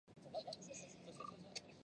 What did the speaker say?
亚兹德省是伊朗三十一个省份之一。